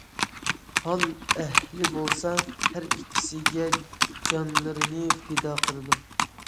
ھال ئەھلى بولسا ھەر ئىككىسىگە جانلىرىنى پىدا قىلىدۇ.